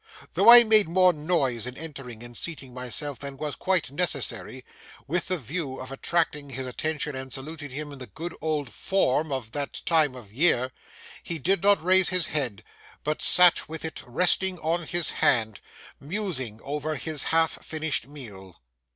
Though I made more noise in entering and seating myself than was quite necessary, with the view of attracting his attention and saluting him in the good old form of that time of year, he did not raise his head, but sat with it resting on his hand, musing over his half finished meal.